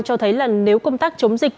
cho thấy nếu công tác chống dịch